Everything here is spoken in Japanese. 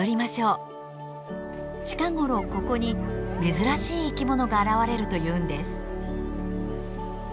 近頃ここに珍しい生き物が現れるというんです。